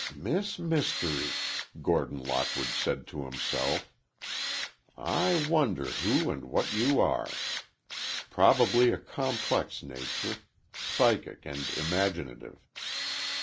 "Miss Mystery!" Gordon Lockwood said to himself. "I wonder who and what you are. Probably a complex nature, psychic and imaginative.